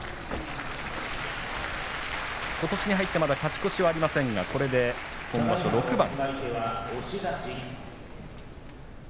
ことしに入ってまだ勝ち越しはありませんが、これで今場所６番。